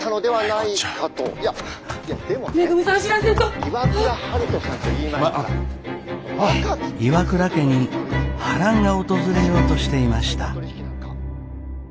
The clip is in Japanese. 岩倉家に波乱が訪れようとしていました。